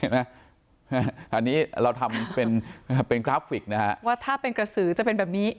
ห้าเห็นมั้ยอันนี้เราทำเป็นกลั๊ปฟิคนะฮะว่าถ้าเป็นเกสิจะเป็นแบบนี้